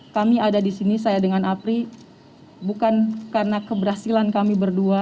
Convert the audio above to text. kami ada di sini saya dengan apri bukan karena keberhasilan kami berdua